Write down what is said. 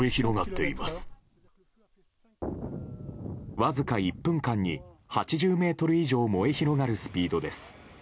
わずか１分間に、８０ｍ以上燃え広がるスピードです。